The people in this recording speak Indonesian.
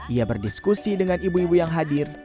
ia berdiskusi dengan ibu ibu yang hadir